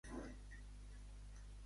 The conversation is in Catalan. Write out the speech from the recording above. Qui va ser Augies?